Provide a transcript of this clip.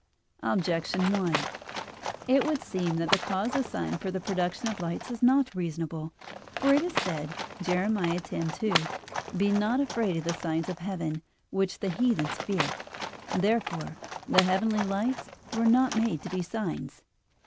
Objection 1: It would seem that the cause assigned for the production of the lights is not reasonable. For it is said (Jer. 10:2): "Be not afraid of the signs of heaven, which the heathens fear." Therefore the heavenly lights were not made to be signs.